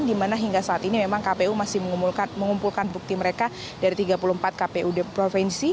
di mana hingga saat ini memang kpu masih mengumpulkan bukti mereka dari tiga puluh empat kpud provinsi